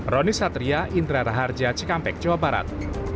roni satria indra raharja cikampek jawa barat